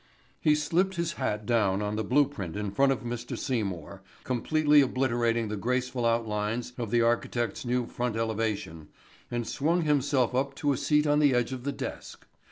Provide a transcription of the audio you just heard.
He slipped his hat down on the blueprint in front of Mr. Seymour, completely obliterating the graceful outlines of the architect's new front elevation and swung himself up to a seat on the edge of the desk.